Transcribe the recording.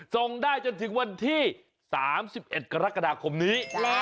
ส่งได้จนถึงวันที่๓๑กรกฎาคมนี้